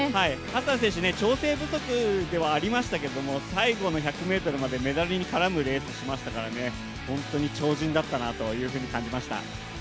ハッサン選手は調整不足ではありましたけど最後の１００ｍまでメダルに絡む勝負をしてましたから本当に超人だったなというふうに感じました。